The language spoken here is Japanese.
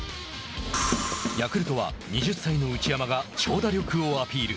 ヤクルトは２０歳の内山が長打力をアピール。